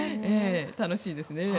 楽しいですね。